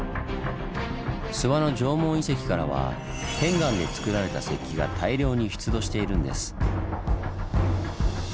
諏訪の縄文遺跡からは片岩でつくられた石器が大量に出土しているんです。